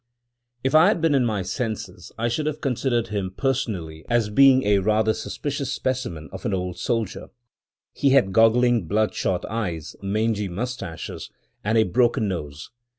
If I had been in my senses, I should have considered him, personally, as being rather a suspicious specimen of an old soldier. He had goggling, bloodshot eyes, mangy mustaches, and a broken nose.